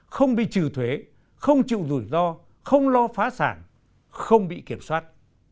không bị trừ thuế không chịu rủi ro không lo phá sản không bị kiểm soát